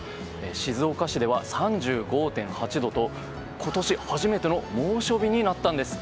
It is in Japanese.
静岡市では３５．８度と今年初めての猛暑日になったんです。